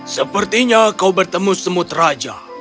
sepertinya kau bertemu semut raja